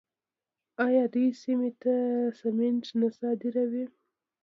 آیا دوی سیمې ته سمنټ نه صادروي؟